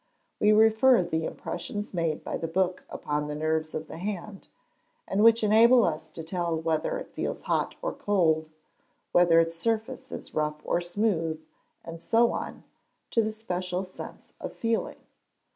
We refer the impressions made by the book upon the nerves of the hand, and which enable us to tell whether it feels hot or cold, whether its surface is rough or smooth, and so on, to the special sense of feeling.